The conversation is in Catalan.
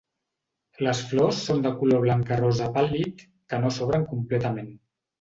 Les flors són de color blanc a rosa pàl·lid que no s'obren completament.